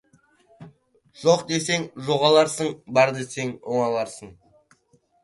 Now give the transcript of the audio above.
«Жоқ» десең, жоғаларсың, «Бар» десең, оңаларсың.